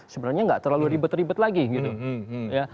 sebenarnya nggak terlalu ribet ribet lagi gitu